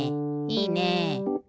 いいね！